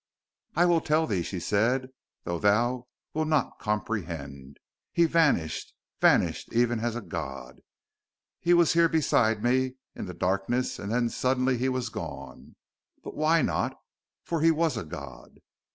"I will tell thee," she said; "though thou wilt not comprehend. He vanished. Vanished, even as a god. He was here beside me, in the darkness and then suddenly he was gone. But why not? For he was a god...."